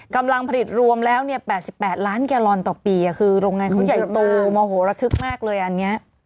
กำลังผลิตรวมแล้วเนี่ย๘๘ล้านแกลลอนต่อปีคือโรงงานเขาใหญ่โตโมโหระทึกมากเลยอันนี้